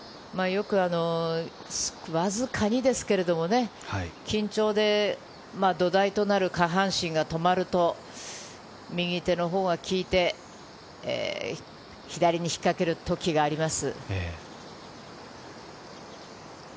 わずかにですけれどもね、緊張で土台となる下半身が止まると、右手のほうがきいて、左に引っかけるときがあります。